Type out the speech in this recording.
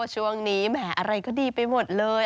ช่วงนี้แหมอะไรก็ดีไปหมดเลย